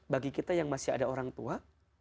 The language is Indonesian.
bagi kita yang masih ada orang tua